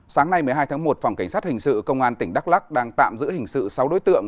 sáng nay một mươi hai tháng một phòng cảnh sát hình sự công an tỉnh đắk lắc đang tạm giữ hình sự sáu đối tượng